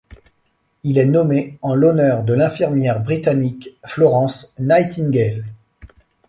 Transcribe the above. Il est nommé en l'honneur de l'infirmière britannique Florence Nightingale.